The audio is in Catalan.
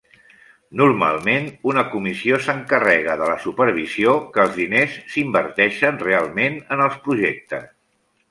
Normalment una comissió s'encarrega de la supervisió que els diners s'inverteixen realment en els projectes.